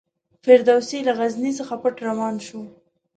فردوسي له غزني څخه پټ روان شو.